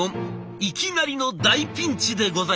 いきなりの大ピンチでございました。